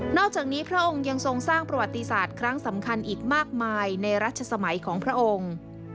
อกจากนี้พระองค์ยังทรงสร้างประวัติศาสตร์ครั้งสำคัญอีกมากมายในรัชสมัยของพระองค์